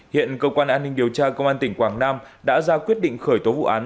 hiện cơ quan an ninh điều tra công an tỉnh quảng nam đã ra quyết định khởi tố vụ án